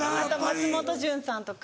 松本潤さんとか。